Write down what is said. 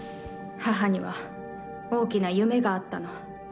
母には大きな夢があったの。